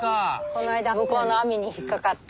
この間向こうの網に引っ掛かって。